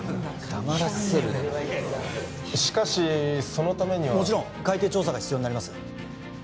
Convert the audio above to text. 黙らせるしかしそのためにはもちろん海底調査が必要になります